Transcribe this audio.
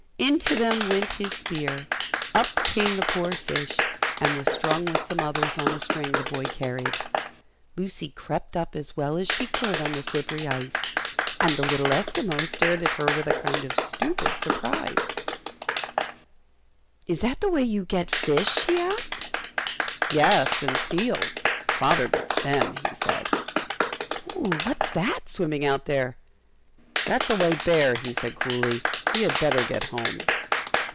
Into them went his spear, up came the poor fish, and was strung with some others on a string the boy carried. Lucy crept up as well as she could on the slippery ice, and the little Esquimaux stared at her with a kind of stupid surprise. [Illustration: "Is that the way you get fish?" she asked. Page 47.] "Is that the way you get fish?" she asked. "Yes, and seals; Father gets them," he said. "Oh, what's that, swimming out there?" "That's a white bear," he said, coolly; "we had better get home."